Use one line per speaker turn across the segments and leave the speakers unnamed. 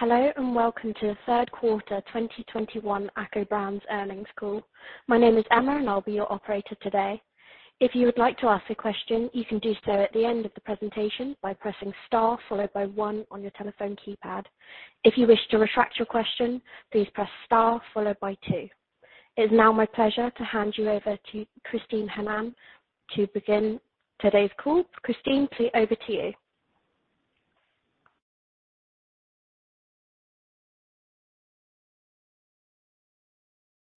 Hello, and welcome to the third quarter 2021 ACCO Brands Earnings Call. My name is Emma, and I'll be your operator today. If you would like to ask a question, you can do so at the end of the presentation by pressing star followed by one on your telephone keypad. If you wish to retract your question, please press star followed by two. It is now my pleasure to hand you over to Christine Hanneman to begin today's call. Christine, over to you.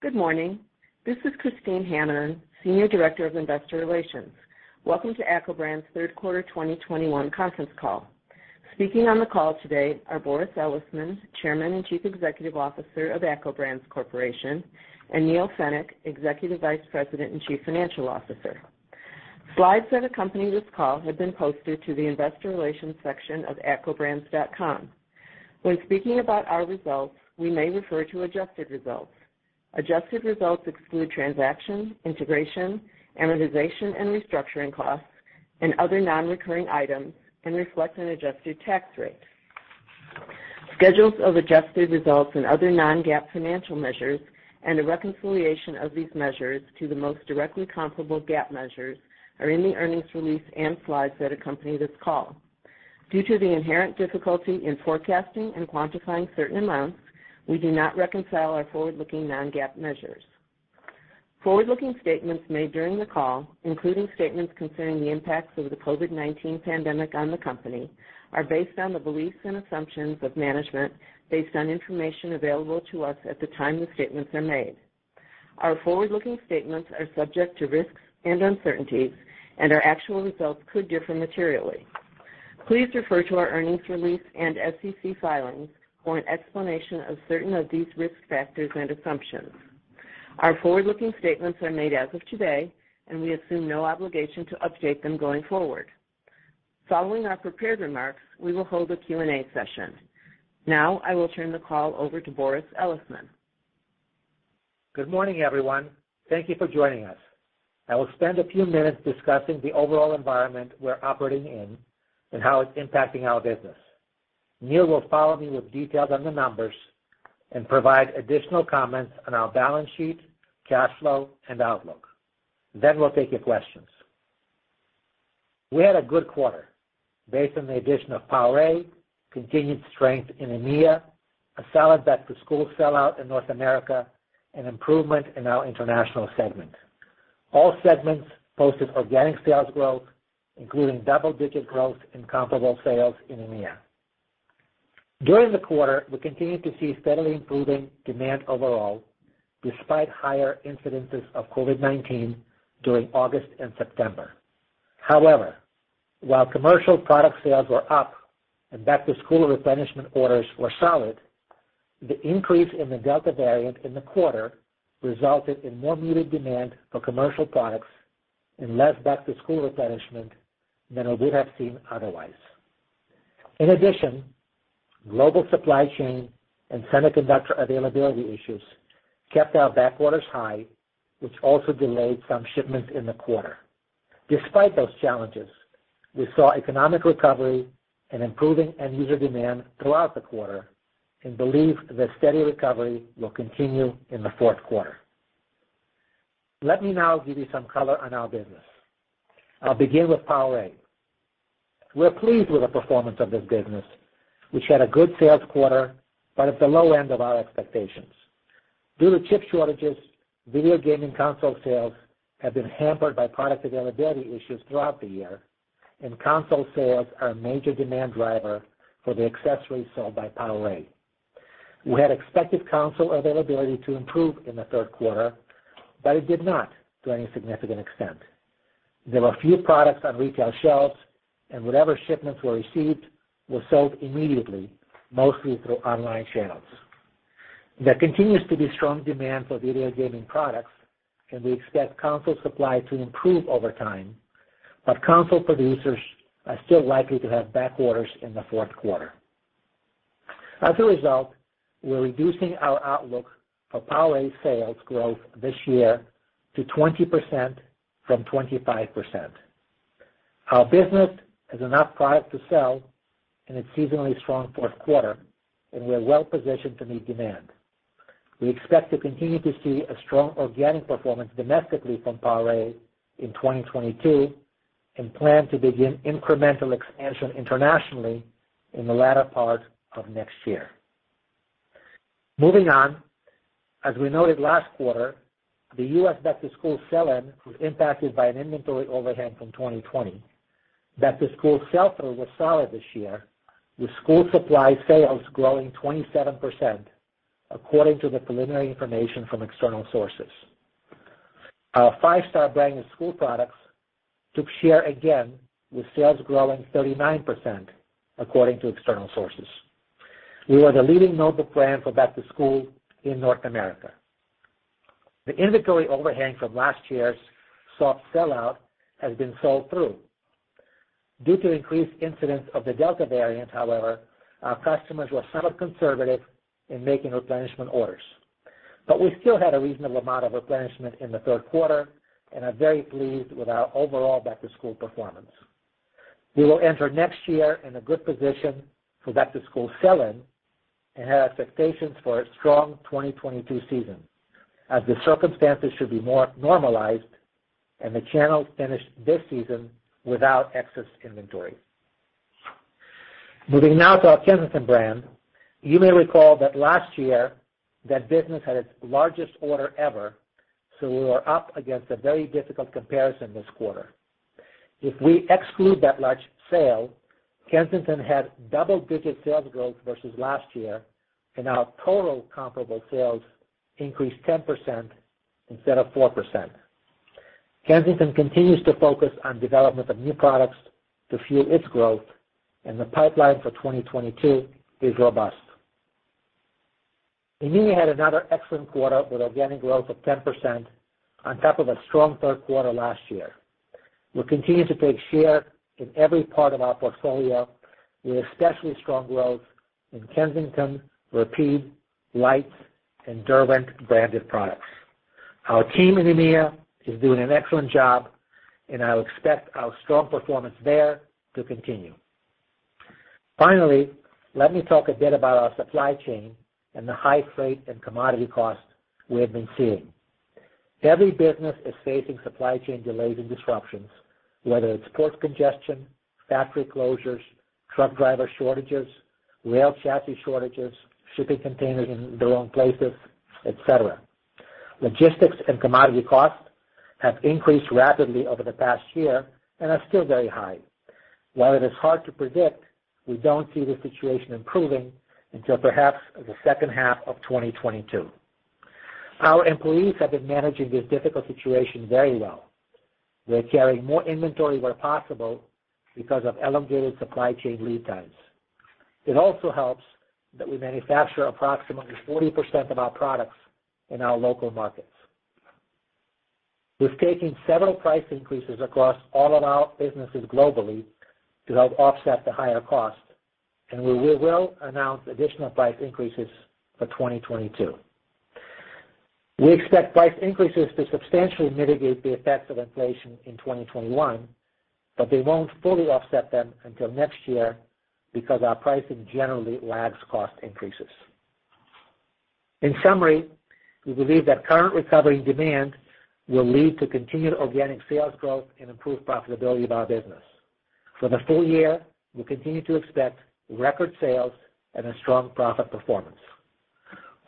Good morning. This is Christine Hanneman, Senior Director of Investor Relations. Welcome to ACCO Brands' third quarter 2021 conference call. Speaking on the call today are Boris Elisman, Chairman and Chief Executive Officer of ACCO Brands Corporation, and Neal Fenwick, Executive Vice President and Chief Financial Officer. Slides that accompany this call have been posted to the investor relations section of accobrands.com. When speaking about our results, we may refer to adjusted results. Adjusted results exclude transaction, integration, amortization, and restructuring costs and other non-recurring items and reflect an adjusted tax rate. Schedules of adjusted results and other non-GAAP financial measures and a reconciliation of these measures to the most directly comparable GAAP measures are in the earnings release and slides that accompany this call. Due to the inherent difficulty in forecasting and quantifying certain amounts, we do not reconcile our forward-looking non-GAAP measures. Forward-looking statements made during the call, including statements concerning the impacts of the COVID-19 pandemic on the company, are based on the beliefs and assumptions of management based on information available to us at the time the statements are made. Our forward-looking statements are subject to risks and uncertainties, and our actual results could differ materially. Please refer to our earnings release and SEC filings for an explanation of certain of these risk factors and assumptions. Our forward-looking statements are made as of today, and we assume no obligation to update them going forward. Following our prepared remarks, we will hold a Q&A session. Now I will turn the call over to Boris Elisman.
Good morning, everyone. Thank you for joining us. I will spend a few minutes discussing the overall environment we're operating in and how it's impacting our business. Neal will follow me with details on the numbers and provide additional comments on our balance sheet, cash flow, and outlook. Then we'll take your questions. We had a good quarter based on the addition of PowerA, continued strength in EMEA, a solid back-to-school sellout in North America, and improvement in our international segment. All segments posted organic sales growth, including double-digit growth in comparable sales in EMEA. During the quarter, we continued to see steadily improving demand overall, despite higher incidences of COVID-19 during August and September. However, while commercial product sales were up and back-to-school replenishment orders were solid, the increase in the Delta variant in the quarter resulted in more muted demand for commercial products and less back-to-school replenishment than we would have seen otherwise. In addition, global supply chain and semiconductor availability issues kept our back orders high, which also delayed some shipments in the quarter. Despite those challenges, we saw economic recovery and improving end user demand throughout the quarter and believe that steady recovery will continue in the fourth quarter. Let me now give you some color on our business. I'll begin with PowerA. We're pleased with the performance of this business, which had a good sales quarter, but at the low end of our expectations. Due to chip shortages, video gaming console sales have been hampered by product availability issues throughout the year, and console sales are a major demand driver for the accessories sold by PowerA. We had expected console availability to improve in the third quarter, but it did not to any significant extent. There were few products on retail shelves, and whatever shipments were received were sold immediately, mostly through online channels. There continues to be strong demand for video gaming products, and we expect console supply to improve over time, but console producers are still likely to have back orders in the fourth quarter. As a result, we're reducing our outlook for PowerA sales growth this year to 20% from 25%. Our business has enough product to sell in a seasonally strong fourth quarter, and we are well positioned to meet demand. We expect to continue to see a strong organic performance domestically from PowerA in 2022 and plan to begin incremental expansion internationally in the latter part of next year. Moving on, as we noted last quarter, the U.S. back-to-school sell-in was impacted by an inventory overhang from 2020. Back-to-school sell-through was solid this year, with school supply sales growing 27% according to the preliminary information from external sources. Our Five Star brand of school products took share again, with sales growing 39% according to external sources. We were the leading notebook brand for back to school in North America. The inventory overhang from last year's soft sell-out has been sold through. Due to increased incidents of the Delta variant, however, our customers were somewhat conservative in making replenishment orders. We still had a reasonable amount of replenishment in the third quarter and are very pleased with our overall back-to-school performance. We will enter next year in a good position for back-to-school sell-in and have expectations for a strong 2022 season, as the circumstances should be more normalized and the channels finish this season without excess inventory. Moving now to our Kensington brand. You may recall that last year that business had its largest order ever, so we were up against a very difficult comparison this quarter. If we exclude that large sale, Kensington had double-digit sales growth versus last year, and our total comparable sales increased 10% instead of 4%. Kensington continues to focus on development of new products to fuel its growth, and the pipeline for 2022 is robust. EMEA had another excellent quarter with organic growth of 10% on top of a strong third quarter last year. We continue to take share in every part of our portfolio, with especially strong growth in Kensington, Rexel, Leitz, and Derwent branded products. Our team in EMEA is doing an excellent job, and I expect our strong performance there to continue. Finally, let me talk a bit about our supply chain and the high freight and commodity costs we have been seeing. Every business is facing supply chain delays and disruptions, whether it's port congestion, factory closures, truck driver shortages, rail chassis shortages, shipping containers in the wrong places, et cetera. Logistics and commodity costs have increased rapidly over the past year and are still very high. While it is hard to predict, we don't see the situation improving until perhaps the second half of 2022. Our employees have been managing this difficult situation very well. They're carrying more inventory where possible because of elongated supply chain lead times. It also helps that we manufacture approximately 40% of our products in our local markets. We've taken several price increases across all of our businesses globally to help offset the higher costs, and we will announce additional price increases for 2022. We expect price increases to substantially mitigate the effects of inflation in 2021, but they won't fully offset them until next year because our pricing generally lags cost increases. In summary, we believe that current recovery demand will lead to continued organic sales growth and improved profitability of our business. For the full year, we continue to expect record sales and a strong profit performance.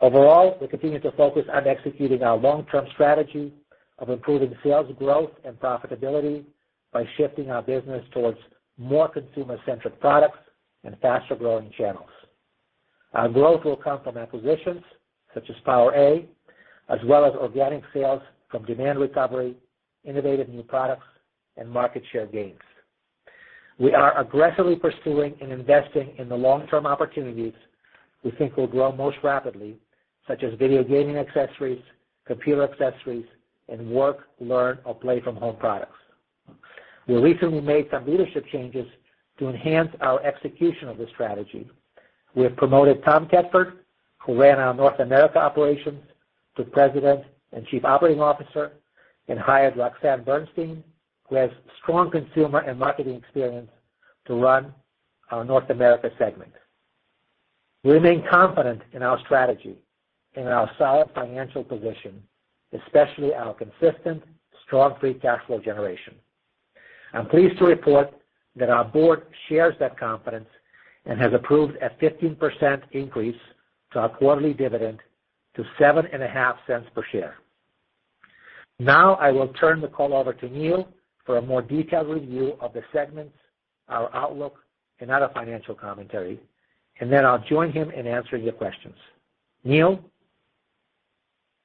Overall, we continue to focus on executing our long-term strategy of improving sales growth and profitability by shifting our business towards more consumer-centric products and faster-growing channels. Our growth will come from acquisitions such as PowerA, as well as organic sales from demand recovery, innovative new products, and market share gains. We are aggressively pursuing and investing in the long-term opportunities we think will grow most rapidly, such as video gaming accessories, computer accessories, and work, learn, or play from home products. We recently made some leadership changes to enhance our execution of this strategy. We have promoted Tom Tedford, who ran our North America operations, to President and Chief Operating Officer, and hired Roxanne Bernstein, who has strong consumer and marketing experience, to run our North America segment. We remain confident in our strategy and our solid financial position, especially our consistent strong free cash flow generation. I'm pleased to report that our board shares that confidence and has approved a 15% increase to our quarterly dividend to $0.075 per share. Now, I will turn the call over to Neal for a more detailed review of the segments, our outlook, and other financial commentary, and then I'll join him in answering your questions. Neal?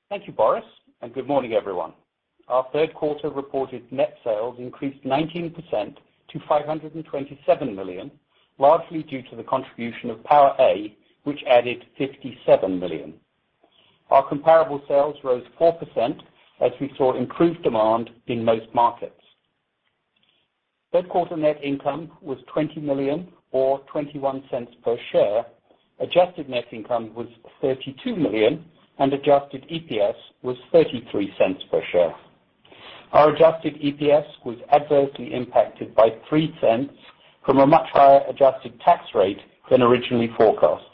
Thank you, Boris, and good morning, everyone. Our third quarter reported net sales increased 19% to $527 million, largely due to the contribution of PowerA, which added $57 million. Our comparable sales rose 4% as we saw improved demand in most markets. Third quarter net income was $20 million or $0.21 per share. Adjusted net income was $32 million, and adjusted EPS was $0.33 per share. Our adjusted EPS was adversely impacted by $0.03 from a much higher adjusted tax rate than originally forecast.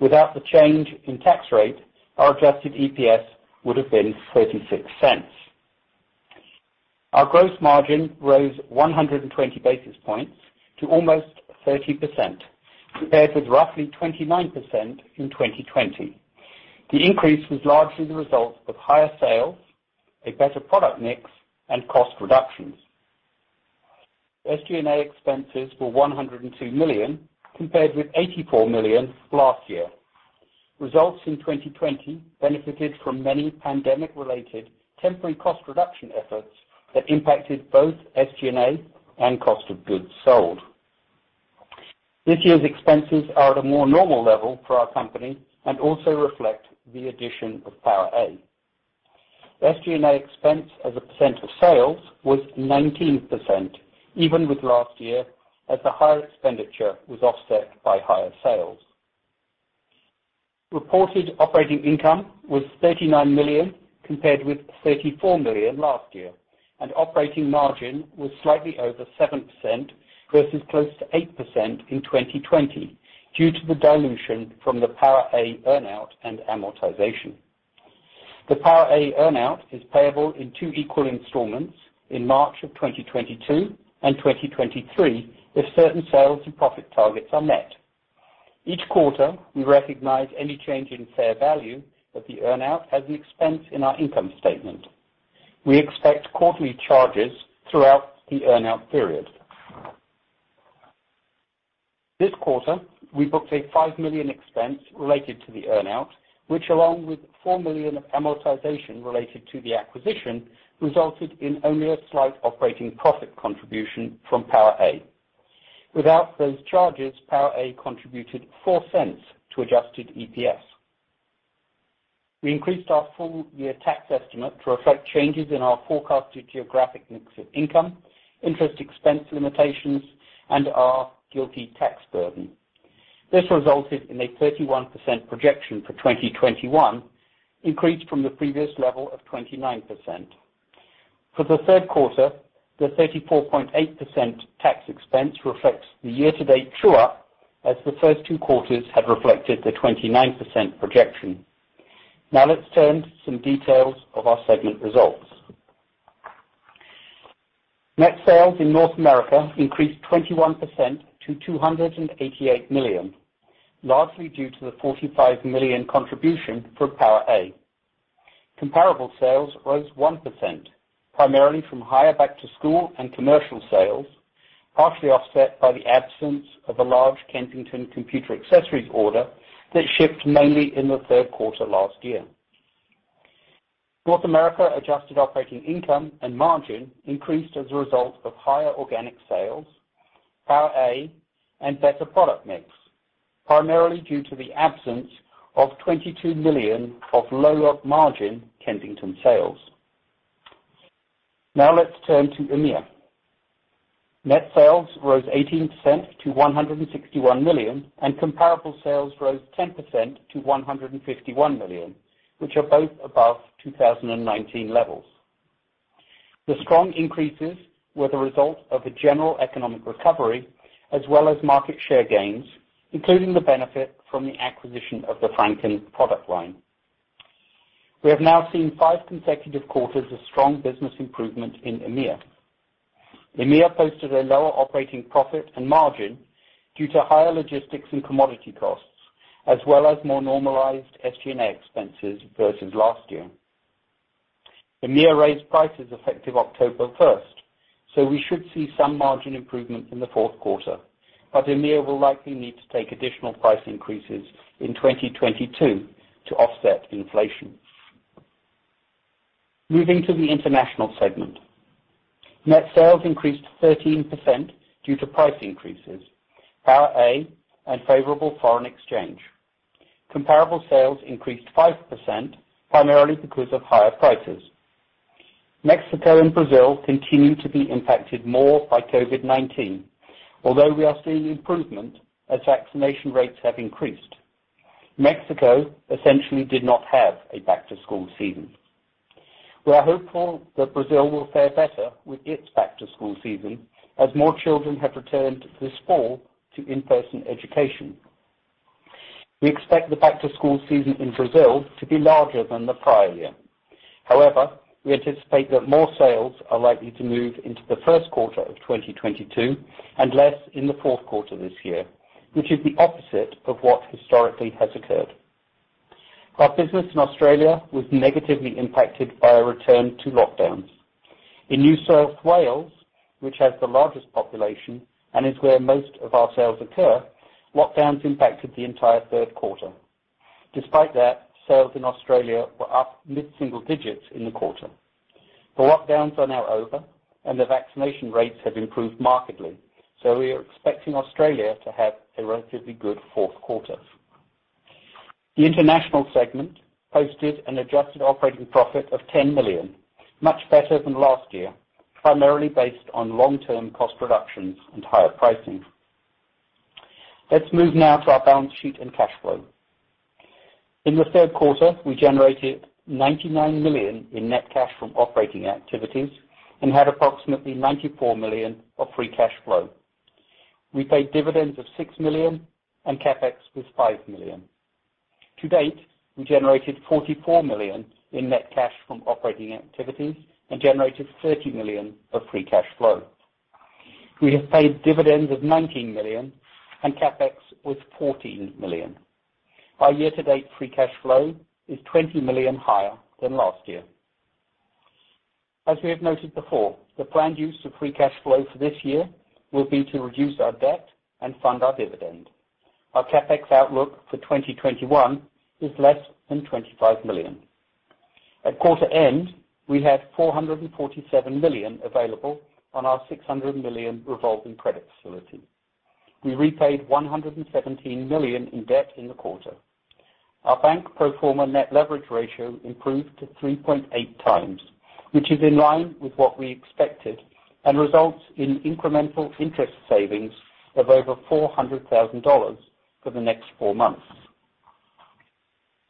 Without the change in tax rate, our adjusted EPS would have been $0.36. Our gross margin rose 120 basis points to almost 30% compared with roughly 29% in 2020. The increase was largely the result of higher sales, a better product mix, and cost reductions. SG&A expenses were $102 million compared with $84 million last year. Results in 2020 benefited from many pandemic-related temporary cost reduction efforts that impacted both SG&A and cost of goods sold. This year's expenses are at a more normal level for our company and also reflect the addition of PowerA. SG&A expense as a percent of sales was 19%, even with last year as the higher expenditure was offset by higher sales. Reported operating income was $39 million, compared with $34 million last year, and operating margin was slightly over 7% versus close to 8% in 2020 due to the dilution from the PowerA earn-out and amortization. The PowerA earn-out is payable in two equal installments in March of 2022 and 2023 if certain sales and profit targets are met. Each quarter, we recognize any change in fair value of the earn-out as an expense in our income statement. We expect quarterly charges throughout the earn-out period. This quarter, we booked a $5 million expense related to the earn-out, which along with $4 million amortization related to the acquisition, resulted in only a slight operating profit contribution from PowerA. Without those charges, PowerA contributed $0.04 to adjusted EPS. We increased our full-year tax estimate to reflect changes in our forecasted geographic mix of income, interest expense limitations, and our GILTI tax burden. This resulted in a 31% projection for 2021, increased from the previous level of 29%. For the third quarter, the 34.8% tax expense reflects the year-to-date true up as the first two quarters had reflected the 29% projection. Now let's turn to some details of our segment results. Net sales in North America increased 21% to $288 million, largely due to the $45 million contribution from PowerA. Comparable sales rose 1%, primarily from higher back to school and commercial sales, partially offset by the absence of a large Kensington computer accessories order that shipped mainly in the third quarter last year. North America adjusted operating income and margin increased as a result of higher organic sales, PowerA, and better product mix, primarily due to the absence of $22 million of low gross margin Kensington sales. Now let's turn to EMEA. Net sales rose 18% to $161 million, and comparable sales rose 10% to $151 million, which are both above 2019 levels. The strong increases were the result of a general economic recovery as well as market share gains, including the benefit from the acquisition of the Franken product line. We have now seen five consecutive quarters of strong business improvement in EMEA. EMEA posted a lower operating profit and margin due to higher logistics and commodity costs, as well as more normalized SG&A expenses versus last year. EMEA raised prices effective October 1, so we should see some margin improvement in the fourth quarter, but EMEA will likely need to take additional price increases in 2022 to offset inflation. Moving to the international segment. Net sales increased 13% due to price increases, PowerA, and favorable foreign exchange. Comparable sales increased 5%, primarily because of higher prices. Mexico and Brazil continue to be impacted more by COVID-19. Although we are seeing improvement as vaccination rates have increased. Mexico essentially did not have a back to school season. We are hopeful that Brazil will fare better with its back to school season as more children have returned this fall to in-person education. We expect the back to school season in Brazil to be larger than the prior year. However, we anticipate that more sales are likely to move into the first quarter of 2022 and less in the fourth quarter this year, which is the opposite of what historically has occurred. Our business in Australia was negatively impacted by a return to lockdowns. In New South Wales, which has the largest population and is where most of our sales occur, lockdowns impacted the entire third quarter. Despite that, sales in Australia were up mid-single digits in the quarter. The lockdowns are now over and the vaccination rates have improved markedly, so we are expecting Australia to have a relatively good fourth quarter. The International segment posted an adjusted operating profit of $10 million, much better than last year, primarily based on long-term cost reductions and higher pricing. Let's move now to our balance sheet and cash flow. In the third quarter, we generated $99 million in net cash from operating activities and had approximately $94 million of free cash flow. We paid dividends of $6 million and CapEx was $5 million. To date, we generated $44 million in net cash from operating activities and generated $30 million of free cash flow. We have paid dividends of $19 million and CapEx was $14 million. Our year-to-date free cash flow is $20 million higher than last year. As we have noted before, the planned use of free cash flow for this year will be to reduce our debt and fund our dividend. Our CapEx outlook for 2021 is less than $25 million. At quarter end, we have $447 million available on our $600 million revolving credit facility. We repaid $117 million in debt in the quarter. Our bank pro forma net leverage ratio improved to 3.8x, which is in line with what we expected and results in incremental interest savings of over $400,000 for the next four months.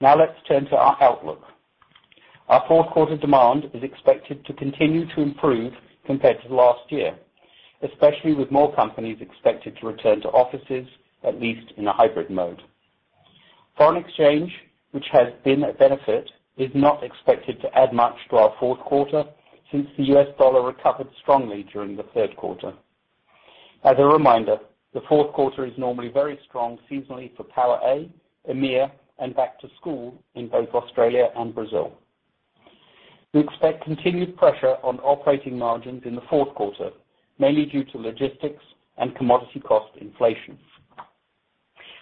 Now let's turn to our outlook. Our fourth quarter demand is expected to continue to improve compared to last year, especially with more companies expected to return to offices, at least in a hybrid mode. Foreign exchange, which has been a benefit, is not expected to add much to our fourth quarter since the U.S. dollar recovered strongly during the third quarter. As a reminder, the fourth quarter is normally very strong seasonally for PowerA, EMEA, and back to school in both Australia and Brazil. We expect continued pressure on operating margins in the fourth quarter, mainly due to logistics and commodity cost inflation.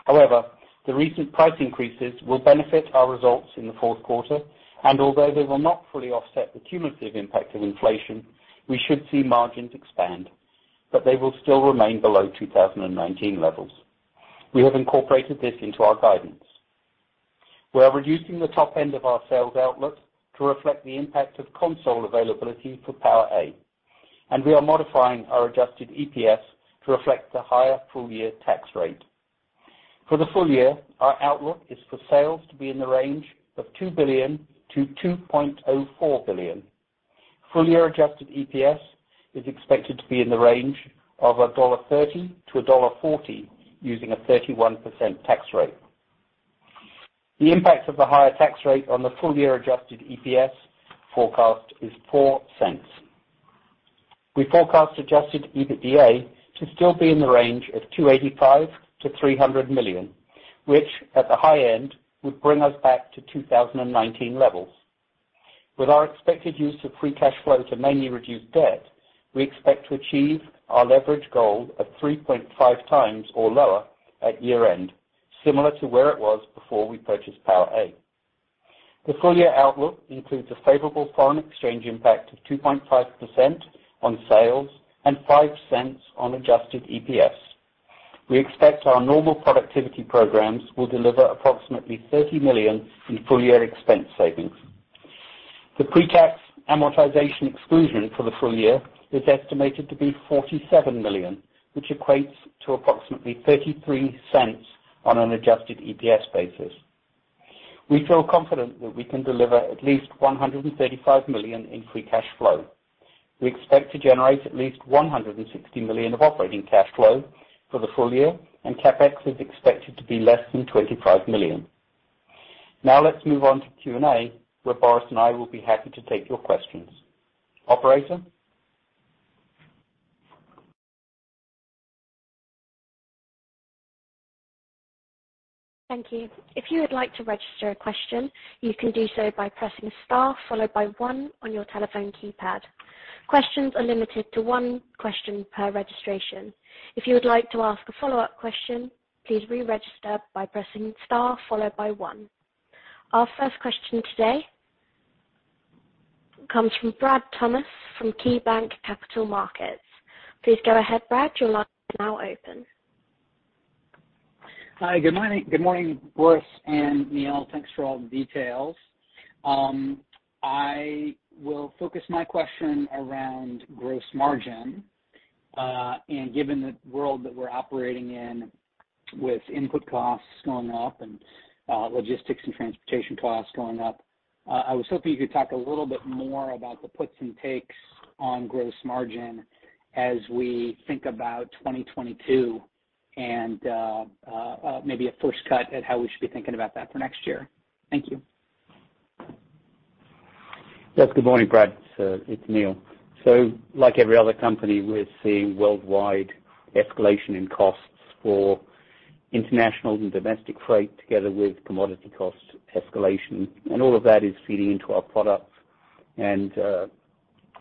However, the recent price increases will benefit our results in the fourth quarter, and although they will not fully offset the cumulative impact of inflation, we should see margins expand, but they will still remain below 2019 levels. We have incorporated this into our guidance. We are reducing the top end of our sales outlook to reflect the impact of console availability for PowerA, and we are modifying our adjusted EPS to reflect the higher full-year tax rate. For the full year, our outlook is for sales to be in the range of $2 billion-$2.04 billion. Full year adjusted EPS is expected to be in the range of $1.30-$1.40 using a 31% tax rate. The impact of the higher tax rate on the full year adjusted EPS forecast is $0.04. We forecast adjusted EBITDA to still be in the range of $285 million-$300 million, which at the high end would bring us back to 2019 levels. With our expected use of free cash flow to mainly reduce debt, we expect to achieve our leverage goal of 3.5x or lower at year-end, similar to where it was before we purchased PowerA. The full year outlook includes a favorable foreign exchange impact of 2.5% on sales and $0.05 on adjusted EPS. We expect our normal productivity programs will deliver approximately $30 million in full-year expense savings. The pre-tax amortization exclusion for the full year is estimated to be $47 million, which equates to approximately $0.33 on an adjusted EPS basis. We feel confident that we can deliver at least $135 million in free cash flow. We expect to generate at least $160 million of operating cash flow for the full year, and CapEx is expected to be less than $25 million. Now let's move on to Q&A, where Boris and I will be happy to take your questions. Operator?
Thank you. If you would like to register a question, you can do so by pressing star followed by one on your telephone keypad. Questions are limited to one question per registration. If you would like to ask a follow-up question, please re-register by pressing star followed by one. Our first question today comes from Brad Thomas from KeyBanc Capital Markets. Please go ahead, Brad. Your line is now open.
Hi, good morning. Good morning, Boris and Neal. Thanks for all the details. I will focus my question around gross margin. Given the world that we're operating in with input costs going up and logistics and transportation costs going up, I was hoping you could talk a little bit more about the puts and takes on gross margin as we think about 2022 and maybe a first cut at how we should be thinking about that for next year. Thank you.
Yes, good morning, Brad. It's Neal. Like every other company, we're seeing worldwide escalation in costs for international and domestic freight together with commodity cost escalation. All of that is feeding into our products.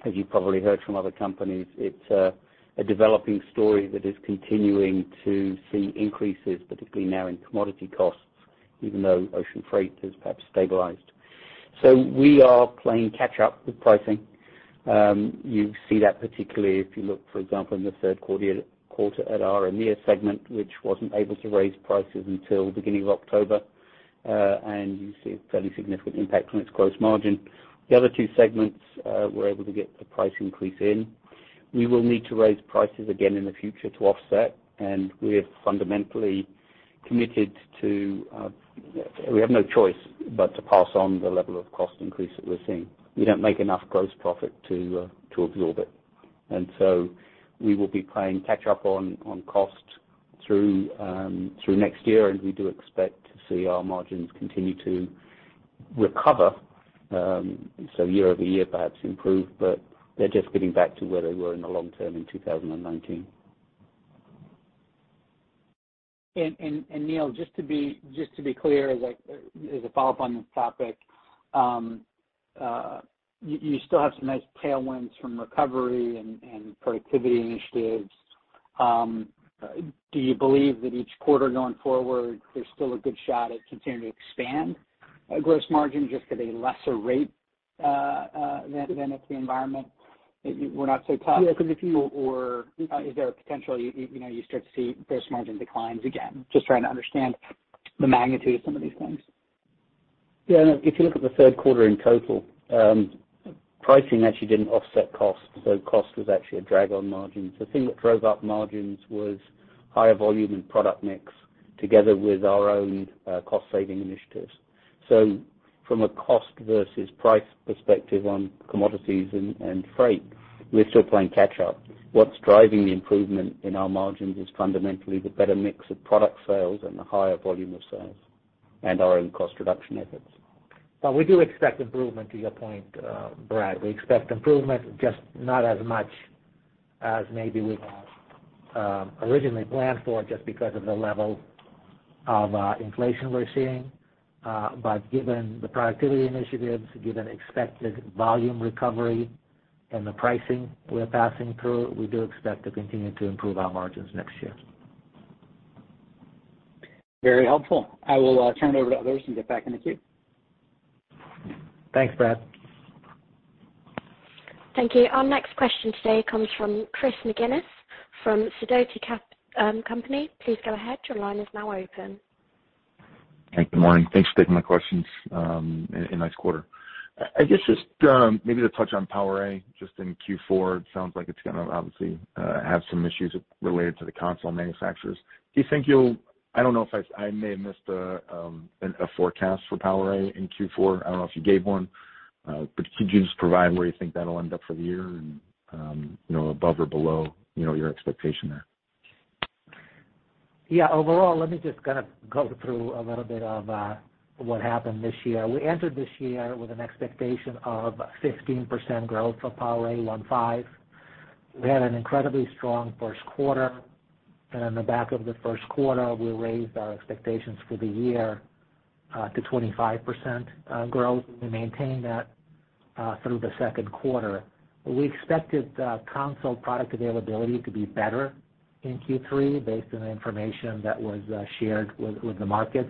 As you probably heard from other companies, it's a developing story that is continuing to see increases, particularly now in commodity costs, even though ocean freight has perhaps stabilized. We are playing catch up with pricing. You see that particularly if you look, for example, in the third quarter at our EMEA segment, which wasn't able to raise prices until beginning of October, and you see a fairly significant impact on its gross margin. The other two segments, we're able to get the price increase in. We will need to raise prices again in the future to offset. We're fundamentally committed to. We have no choice but to pass on the level of cost increase that we're seeing. We don't make enough gross profit to absorb it. We will be playing catch up on cost through next year. We do expect to see our margins continue to recover, so year-over-year perhaps improve, but they're just getting back to where they were in the long term in 2019.
Neal, just to be clear, like as a follow-up on this topic, you still have some nice tailwinds from recovery and productivity initiatives. Do you believe that each quarter going forward, there's still a good shot at continuing to expand gross margin just at a lesser rate than if the environment
Or, is there a potential you know you start to see gross margin declines again? Just trying to understand the magnitude of some of these things. Yeah, no, if you look at the third quarter in total, pricing actually didn't offset cost, so cost was actually a drag on margins. The thing that drove up margins was higher volume and product mix together with our own cost saving initiatives. So from a cost versus price perspective on commodities and freight, we're still playing catch up. What's driving the improvement in our margins is fundamentally the better mix of product sales and the higher volume of sales and our own cost reduction efforts. But we do expect improvement to your point, Brad. We expect improvement, just not as much as maybe we had originally planned for just because of the level of inflation we're seeing. Given the productivity initiatives, given expected volume recovery and the pricing we're passing through, we do expect to continue to improve our margins next year.
Very helpful. I will turn it over to others and get back in the queue.
Thanks, Brad.
Thank you. Our next question today comes from Chris McGinnis from Sidoti & Company. Please go ahead. Your line is now open.
Thank you. Good morning. Thanks for taking my questions, and nice quarter. I guess just maybe to touch on PowerA just in Q4, it sounds like it's gonna obviously have some issues related to the console manufacturers. Do you think you'll I don't know if I may have missed a forecast for PowerA in Q4. I don't know if you gave one. Could you just provide where you think that'll end up for the year and, you know, above or below, you know, your expectation there?
Yeah. Overall, let me just kind of go through a little bit of what happened this year. We entered this year with an expectation of 16% growth for PowerA. We had an incredibly strong first quarter, and in the back of the first quarter, we raised our expectations for the year to 25% growth. We maintained that through the second quarter. We expected console product availability to be better in Q3 based on the information that was shared with the markets.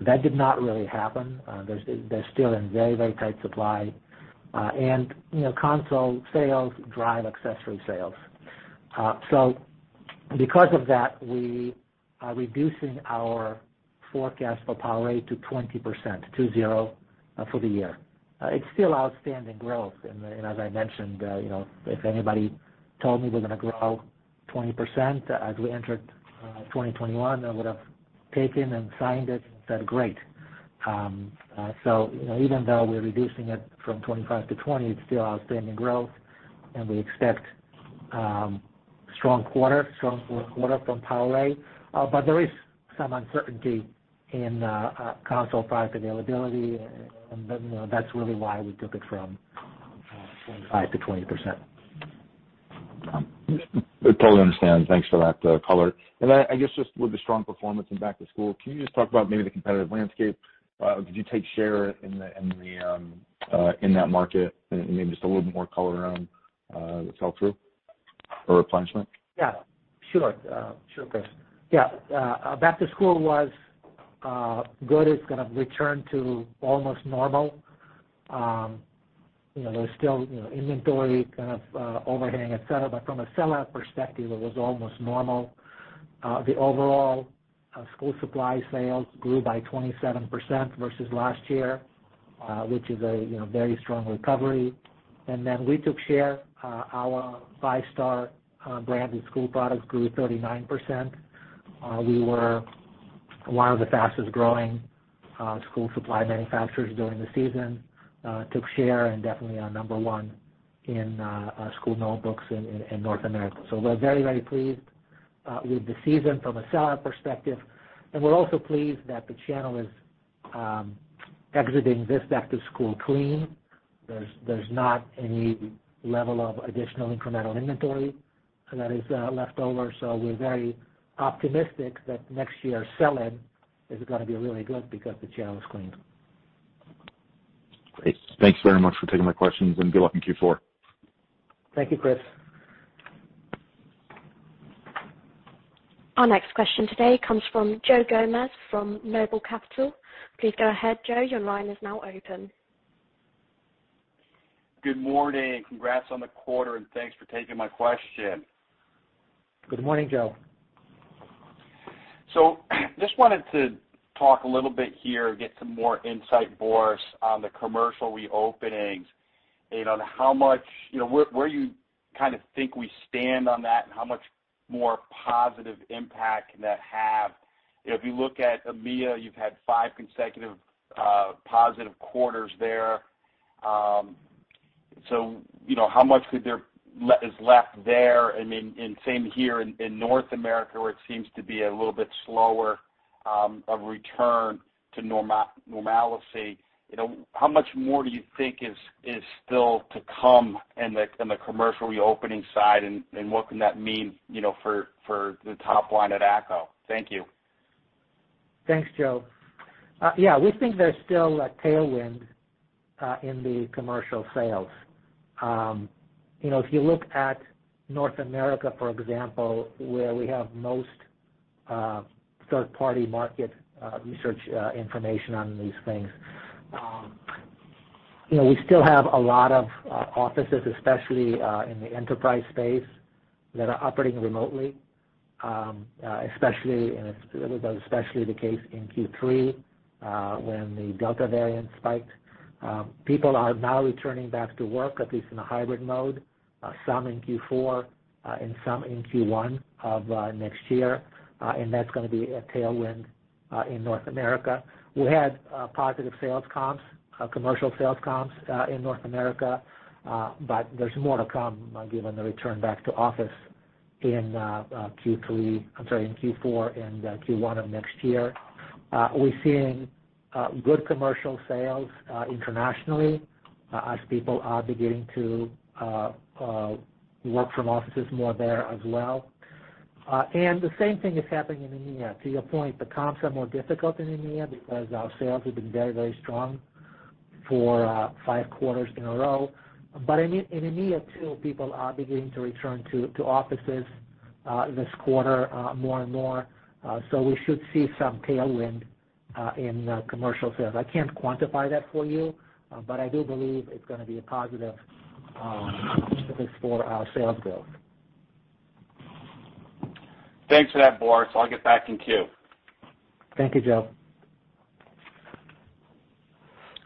That did not really happen. They're still in very, very tight supply. You know, console sales drive accessory sales. So because of that, we are reducing our forecast for PowerA to 20% for the year. It's still outstanding growth. As I mentioned, you know, if anybody told me we're gonna grow 20% as we entered 2021, I would've taken and signed it and said, great. So, you know, even though we're reducing it from 25%-20%, it's still outstanding growth, and we expect strong quarter, strong fourth quarter from PowerA. But there is some uncertainty in console product availability, and then, you know, that's really why we took it from 25%-20%.
I totally understand. Thanks for that color. I guess just with the strong performance in back to school, can you just talk about maybe the competitive landscape? Did you take share in that market? Maybe just a little bit more color around the sell-through or replenishment.
Yeah, sure. Sure, Chris. Yeah. Back to school was good. It's gonna return to almost normal. You know, there's still you know, inventory kind of overhanging et cetera, but from a sellout perspective, it was almost normal. The overall school supply sales grew by 27% versus last year, which is a you know, very strong recovery. Then we took share, our Five Star branded school products grew 39%. We were one of the fastest growing school supply manufacturers during the season, took share and definitely are number one in school notebooks in North America. So we're very pleased with the season from a sellout perspective. We're also pleased that the channel is exiting this back to school clean. There's not any level of additional incremental inventory that is left over. We're very optimistic that next year sell-in is gonna be really good because the channel is clean.
Great. Thank you very much for taking my questions and good luck in Q4.
Thank you, Chris.
Our next question today comes from Joe Gomes from Noble Capital. Please go ahead, Joe. Your line is now open.
Good morning, and congrats on the quarter, and thanks for taking my question.
Good morning, Joe.
Just wanted to talk a little bit here and get some more insight, Boris, on the commercial reopenings, you know, and how much, you know, where you kind of think we stand on that and how much more positive impact can that have? You know, if you look at EMEA, you've had five consecutive positive quarters there. You know, how much is left there? And then same here in North America, where it seems to be a little bit slower return to normalcy. You know, how much more do you think is still to come in the commercial reopening side, and what can that mean, you know, for the top line at ACCO? Thank you.
Thanks, Joe. Yeah. We think there's still a tailwind in the commercial sales. You know, if you look at North America, for example, where we have most third-party market research information on these things. You know, we still have a lot of offices, especially in the enterprise space, that are operating remotely, especially the case in Q3, when the Delta variant spiked. People are now returning back to work, at least in a hybrid mode, some in Q4, and some in Q1 of next year. That's gonna be a tailwind in North America. We had positive sales comps, commercial sales comps, in North America. There's more to come, given the return back to office in Q4 and Q1 of next year. We're seeing good commercial sales internationally, as people are beginning to work from offices more there as well. The same thing is happening in EMEA. To your point, the comps are more difficult in EMEA because our sales have been very strong for five quarters in a row. In EMEA, too, people are beginning to return to offices this quarter, more and more. We should see some tailwind in commercial sales. I can't quantify that for you, but I do believe it's gonna be a positive at least for our sales growth.
Thanks for that, Boris. I'll get back in queue.
Thank you, Joe.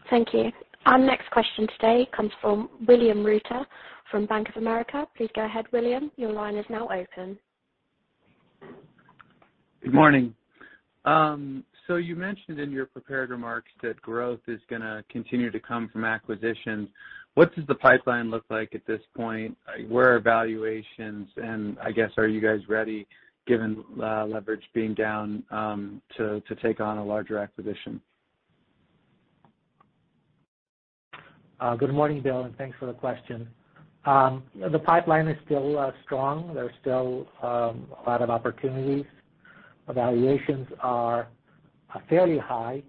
Thank you. Our next question today comes from William Reuter from Bank of America. Please go ahead, William. Your line is now open.
Good morning. You mentioned in your prepared remarks that growth is gonna continue to come from acquisitions. What does the pipeline look like at this point? Where are valuations? I guess, are you guys ready, given leverage being down, to take on a larger acquisition?
Good morning, Bill, and thanks for the question. The pipeline is still strong. There's still a lot of opportunities. Valuations are fairly high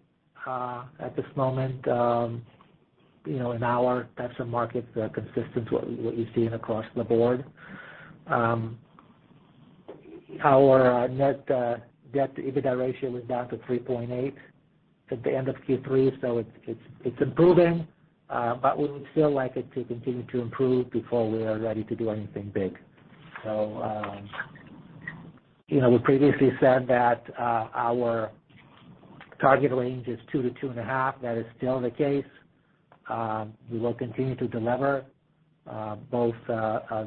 at this moment, you know, in our types of markets, consistent with what you're seeing across the board. Our net debt-to-EBITDA ratio was down to 3.8 at the end of Q3, so it's improving. We would still like it to continue to improve before we are ready to do anything big. We previously said that our target range is 2-2.5. That is still the case. We will continue to delever both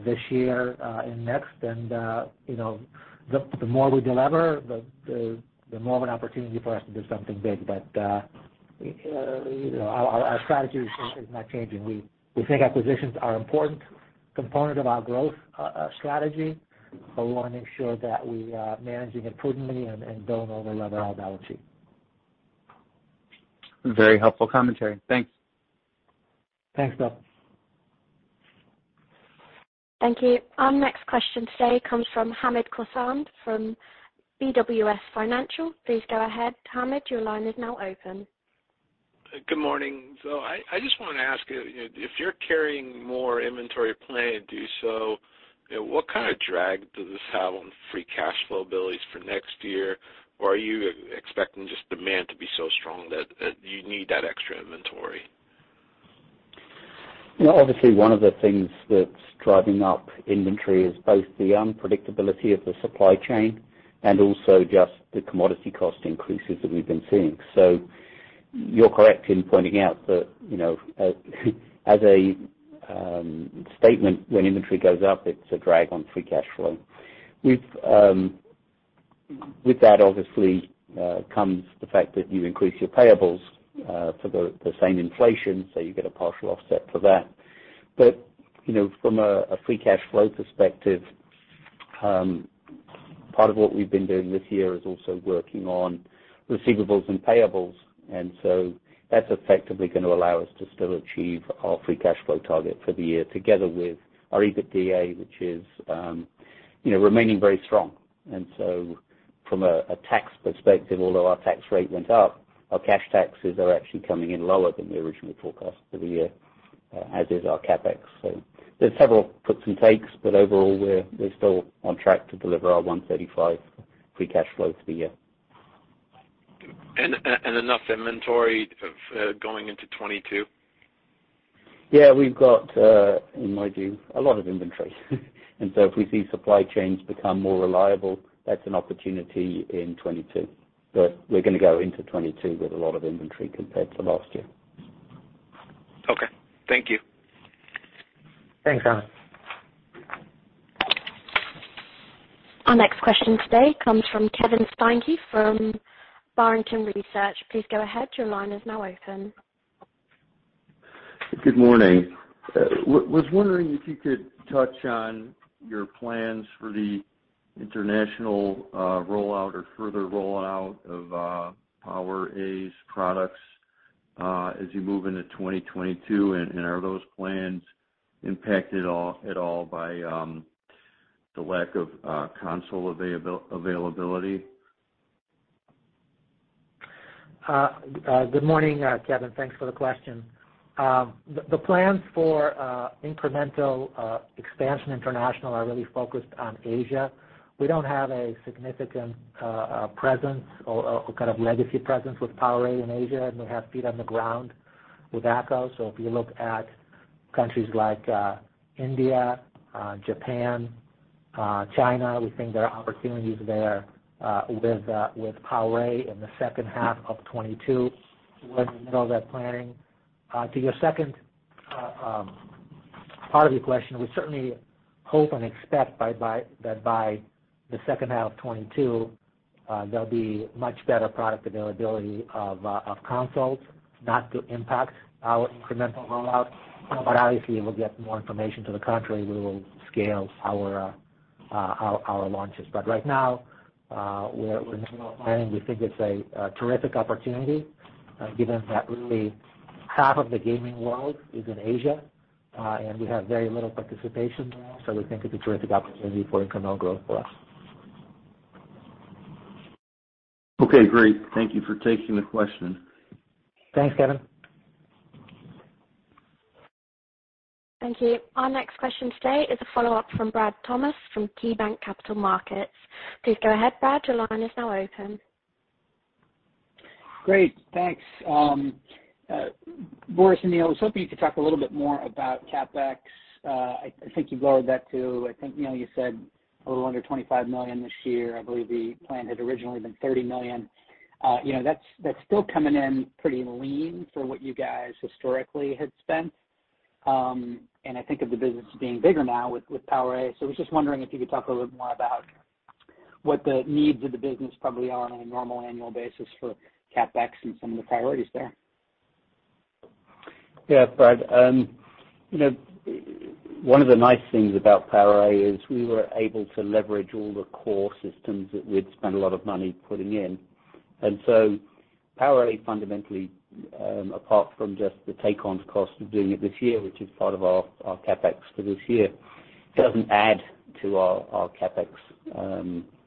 this year and next. You know, the more we delever, the more of an opportunity for us to do something big. You know, our strategy is not changing. We think acquisitions are important component of our growth strategy, but we wanna make sure that we are managing it prudently and don't overleverage our balance sheet.
Very helpful commentary. Thanks.
Thanks, Bill.
Thank you. Our next question today comes from Hamed Khorsand from BWS Financial. Please go ahead, Hamed. Your line is now open.
Good morning. I just wanna ask you know, if you're carrying more inventory planned to do so, you know, what kind of drag does this have on free cash flow abilities for next year? Or are you expecting just demand to be so strong that you need that extra inventory?
You know, obviously one of the things that's driving up inventory is both the unpredictability of the supply chain and also just the commodity cost increases that we've been seeing. You're correct in pointing out that, you know, as a statement, when inventory goes up, it's a drag on free cash flow. With that obviously comes the fact that you increase your payables for the same inflation, so you get a partial offset for that. You know, from a free cash flow perspective, part of what we've been doing this year is also working on receivables and payables. That's effectively gonna allow us to still achieve our free cash flow target for the year, together with our EBITDA, which is, you know, remaining very strong. From a tax perspective, although our tax rate went up, our cash taxes are actually coming in lower than we originally forecast for the year, as is our CapEx. There's several puts and takes, but overall, we're still on track to deliver our $135 free cash flow for the year.
Enough inventory going into 2022?
Yeah. We've got, in my view, a lot of inventory. If we see supply chains become more reliable, that's an opportunity in 2022. We're gonna go into 2022 with a lot of inventory compared to last year.
Okay. Thank you.
Thanks, Hamed.
Our next question today comes from Kevin Steinke from Barrington Research. Please go ahead. Your line is now open.
Good morning. Was wondering if you could touch on your plans for the international rollout or further rollout of PowerA's products as you move into 2022, and are those plans impacted at all by the lack of console availability?
Good morning, Kevin. Thanks for the question. The plans for incremental expansion international are really focused on Asia. We don't have a significant presence or kind of legacy presence with PowerA in Asia, and we have feet on the ground with ACCO. If you look at countries like India, Japan, China, we think there are opportunities there with PowerA in the second half of 2022. We're in the middle of that planning. To your second part of your question, we certainly hope and expect that by the second half of 2022, there'll be much better product availability of consoles not to impact our incremental rollout. Obviously, if we get more information to the contrary, we will scale our launches. Right now, we're planning. We think it's a terrific opportunity, given that really half of the gaming world is in Asia, and we have very little participation there. We think it's a terrific opportunity for incremental growth for us.
Okay, great. Thank you for taking the question.
Thanks, Kevin.
Thank you. Our next question today is a follow-up from Brad Thomas from KeyBanc Capital Markets. Please go ahead, Brad. Your line is now open.
Great, thanks. Boris and Neal, I was hoping you could talk a little bit more about CapEx. I think you lowered that to, Neal, you said a little under $25 million this year. I believe the plan had originally been $30 million. You know, that's still coming in pretty lean for what you guys historically had spent. I think of the business as being bigger now with PowerA. I was just wondering if you could talk a little bit more about what the needs of the business probably are on a normal annual basis for CapEx and some of the priorities there.
Yeah, Brad. You know, one of the nice things about PowerA is we were able to leverage all the core systems that we'd spent a lot of money putting in. PowerA fundamentally, apart from just the take-ons cost of doing it this year, which is part of our CapEx for this year, doesn't add to our CapEx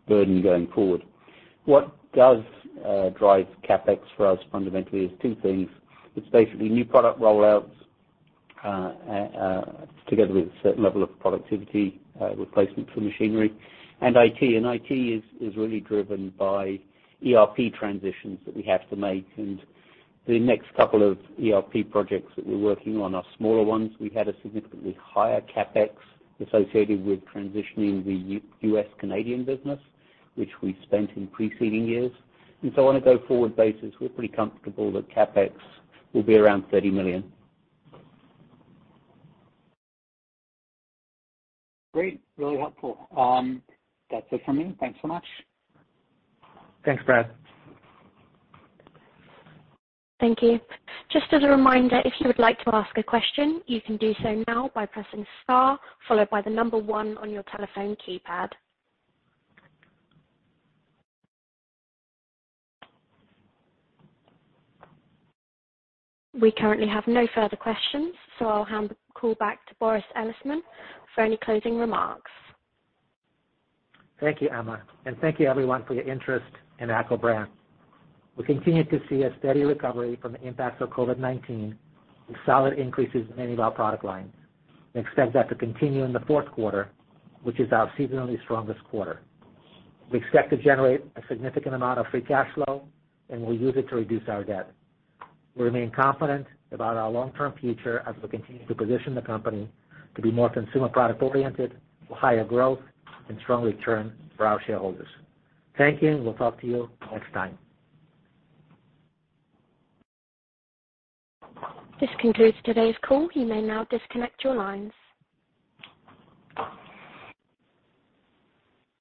burden going forward. What does drive CapEx for us fundamentally is two things. It's basically new product rollouts together with a certain level of productivity replacement for machinery, and IT. IT is really driven by ERP transitions that we have to make. The next couple of ERP projects that we're working on are smaller ones. We had a significantly higher CapEx associated with transitioning the U.S.-Canadian business, which we spent in preceding years. On a go-forward basis, we're pretty comfortable that CapEx will be around $30 million.
Great. Really helpful. That's it for me. Thanks so much.
Thanks, Brad.
Thank you. Just as a reminder, if you would like to ask a question, you can do so now by pressing star followed by the number one on your telephone keypad. We currently have no further questions, so I'll hand the call back to Boris Elisman for any closing remarks.
Thank you, Emma, and thank you everyone for your interest in ACCO Brands. We continue to see a steady recovery from the impacts of COVID-19 with solid increases in many of our product lines and expect that to continue in the fourth quarter, which is our seasonally strongest quarter. We expect to generate a significant amount of free cash flow, and we'll use it to reduce our debt. We remain confident about our long-term future as we continue to position the company to be more consumer product oriented with higher growth and strong return for our shareholders. Thank you, and we'll talk to you next time.
This concludes today's call. You may now disconnect your lines.